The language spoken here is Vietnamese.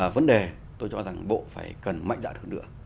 vấn đề tôi cho rằng bộ phải cần mạnh dạn hơn nữa